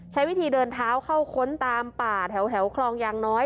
ใช้วิธีเดินเท้าเข้าค้นตามป่าแถวคลองยางน้อย